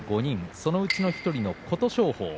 そのうちの１人、琴勝峰